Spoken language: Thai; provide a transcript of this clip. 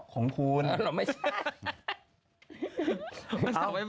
ของคุณเราไม่ใช่